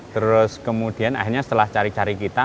terus kemudian akhirnya setelah cari cari kita